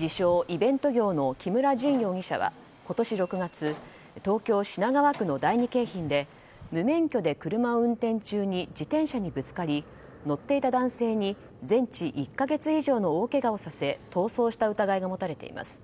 自称イベント業の木村仁容疑者は今年６月東京・品川区の第二京浜で無免許で車を運転中に自転車にぶつかり乗っていた男性に全治１か月以上の大けがをさせ逃走した疑いが持たれています。